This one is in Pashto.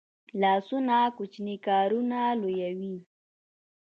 لاسونه کوچني کارونه لویوي